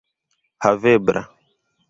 havebla